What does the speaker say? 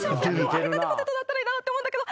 揚げたてポテトだったらいいなって思うんだけど。